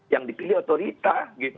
yang dipilih otorita